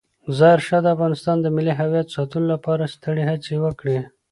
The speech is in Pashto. ظاهرشاه د افغانستان د ملي هویت ساتلو لپاره سترې هڅې وکړې.